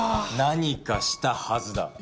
何かしたはずだ。